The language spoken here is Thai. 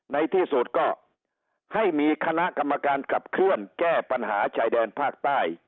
ในที่สุดก็ให้มีคณะกรรมการขับเคลื่อนแก้ปัญหาชายแดนภาคใต้